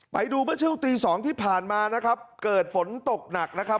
ไปดูเมื่อช่วงตีสองที่ผ่านมานะครับเกิดฝนตกหนักนะครับ